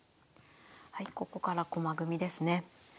はいここから駒組みですね。